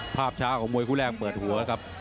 ภาพช้าของมวยคู่แรกเปิดหัวครับ